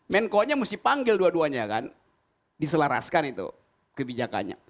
menko nya mesti panggil dua duanya kan diselaraskan itu kebijakannya